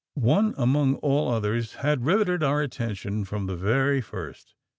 One among all others had riveted our attention from the very first.